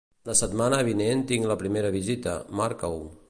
La setmana vinent tinc la primera visita, marca-ho.